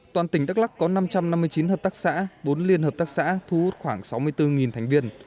toàn tỉnh đắk lắc có năm trăm năm mươi chín hợp tác xã bốn liên hợp tác xã thu hút khoảng sáu mươi bốn thành viên